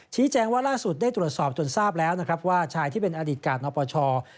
แจ้งว่าล่าสุดได้ตรวจสอบจนทราบแล้วนะครับว่าชายที่เป็นอดีตกาศนปช